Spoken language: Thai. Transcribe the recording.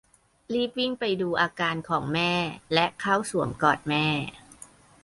รีบวิ่งไปดูอาการของแม่และเข้าสวมกอดแม่